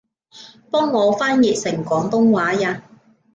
幫我翻譯成廣東話吖